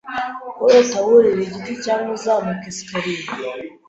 Kurota wurira igiti cyangwa uzamuka escalier